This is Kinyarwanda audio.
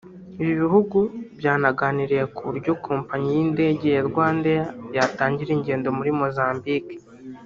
Ibi bihugu byanaganiriye ku buryo kompanyi y’indege ya RwandAir yatangira ingendo muri Mozambique